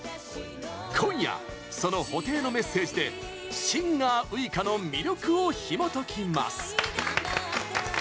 今夜、その布袋のメッセージでシンガー・ウイカの魅力をひもときます。